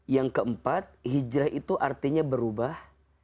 yang keempat hijrah itu artinya berubah